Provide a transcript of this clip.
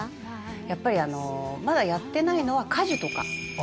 やっぱりまだやってないのは果樹とか。